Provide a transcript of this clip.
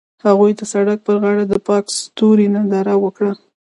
هغوی د سړک پر غاړه د پاک ستوري ننداره وکړه.